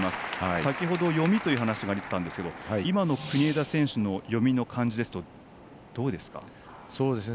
先ほど読みというお話があったんですけれども今の国枝選手の読みの感じですとどうですか。